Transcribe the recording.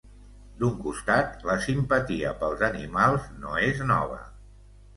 D'un costat, la simpatia pels animals no és nova.